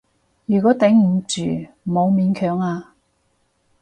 如果頂唔住，唔好勉強啊